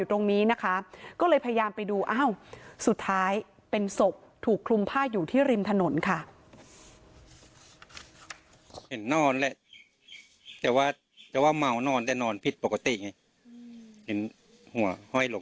เห็นนอนแหละแต่ว่าเมานอนแต่นอนผิดปกติเห็นหัวห้อยหลงมาคือตอนนั้นที่เห็นภาพแรกคิดว่าเขาไปนอนอยู่ตรงนั้นเฉยหรือเมาแล้วไปนอน